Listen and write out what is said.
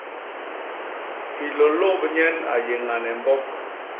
Hilôlômb nyen a yé ñane mbok.